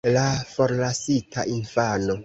La forlasita infano.